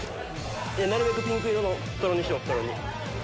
なるべくピンク色の大トロにしよう大トロ。